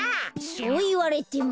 そういわれても。